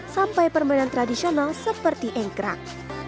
sampai permainan tradisional seperti engkrak